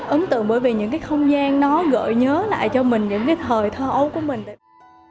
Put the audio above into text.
ấn tượng bởi vì những cái không gian nó gợi nhớ lại cho mình những cái thời thơ ấu của mình